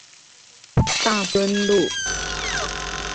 大墩路